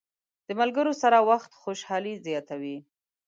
د ملګرو سره وخت خوشحالي زیاته وي.